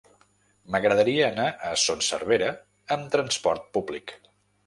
M'agradaria anar a Son Servera amb transport públic.